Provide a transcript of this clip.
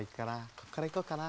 こっからいこうかな。